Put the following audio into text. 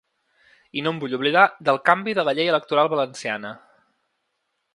I no em vull oblidar del canvi de la llei electoral valenciana.